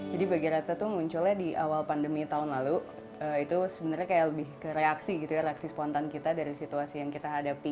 jadi bagi rata itu munculnya di awal pandemi tahun lalu itu sebenarnya kayak lebih ke reaksi gitu ya reaksi spontan kita dari situasi yang kita hadapi